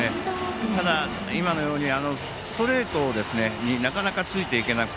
ただ、今のようにストレートになかなかついていけない。